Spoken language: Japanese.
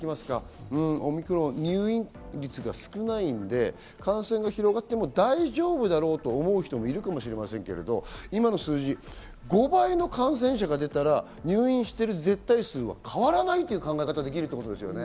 オミクロン、入院率が少ないんで、感染が広がっても大丈夫だろうと思う人もいるかもしれませんけど、今の数字、５倍の感染者が出たら、入院している絶対数は変わらないという考え方でいいということですね。